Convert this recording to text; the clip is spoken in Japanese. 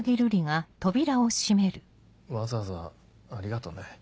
わざわざありがとうね。